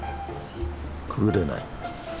くぐれない。